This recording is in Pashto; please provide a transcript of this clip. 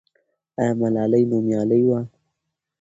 آیا ملالۍ نومیالۍ وه؟